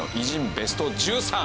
ベスト１３。